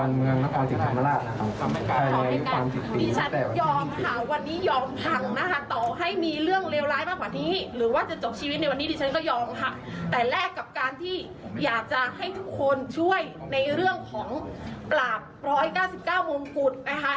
ในเรื่องของปราบ๑๙๙มูลกุฎนะคะ